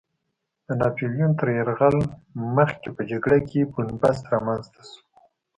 د ناپیلیون تر یرغل مخکې په جګړه کې بن بست رامنځته شو.